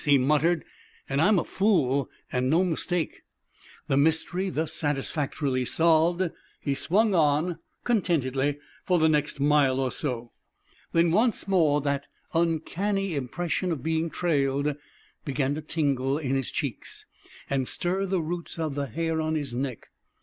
he muttered. "An' I'm a fool, an' no mistake!" The mystery thus satisfactorily solved, he swung on contentedly for the next mile or so. Then once more that uncanny impression of being trailed began to tingle in his cheeks and stir the roots of the hair on his neck.